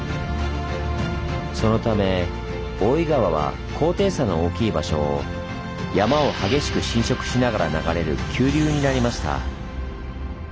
そのため大井川は高低差の大きい場所を山を激しく侵食しながら流れる急流になりました。